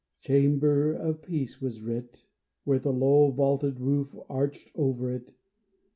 " Chamber of Peace " was writ Where the low vaulted roof arched over it.